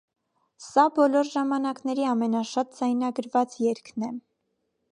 Սա բոլոր ժամանակների ամենաշատ ձայնագրված երգն է։